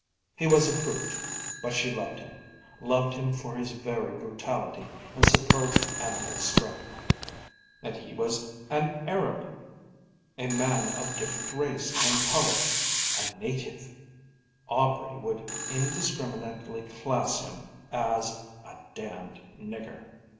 He was a brute, but she loved him, loved him for his very brutality and superb animal strength. And he was an Arab! A man of different race and colour, a native; Aubrey would indiscriminately class him as a "damned nigger."